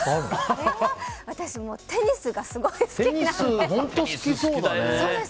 私、テニスがすごい好きなので。